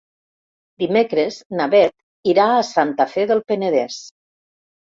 Dimecres na Bet irà a Santa Fe del Penedès.